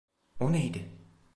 O neydi?